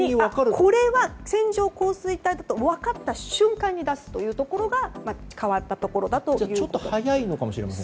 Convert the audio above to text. これは線状降水帯だと分かった瞬間に出すというところが変わったところだということです。